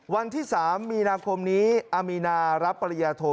วันที่๓มีนาคมนี้อามีนารับปริญญาโท